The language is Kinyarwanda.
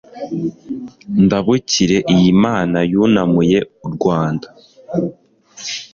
ndabukire iyi mana yunamuye u rwanda